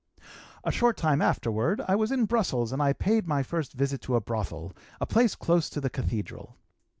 "A short time afterward I was in Brussels and I paid my first visit to a brothel, a place close to the Cathedral.